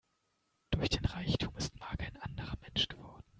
Durch den Reichtum ist Mark ein anderer Mensch geworden.